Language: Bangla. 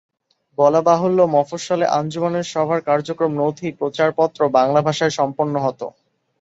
বলা বাহুল্য, মফস্বলে আঞ্জুমানের সভার কার্যক্রম, নথি, প্রচারপত্র বাংলা ভাষায় সম্পন্ন হতো।